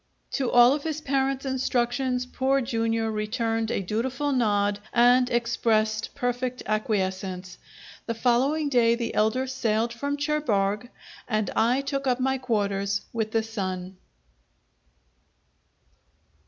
To all of his parent's instructions Poor Jr. returned a dutiful nod and expressed perfect acquiescence. The following day the elder sailed from Cherbourg, and I took up my quarters with the son.